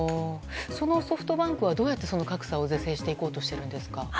そのソフトバンクはどうやって格差を是正していこうとしているんですか？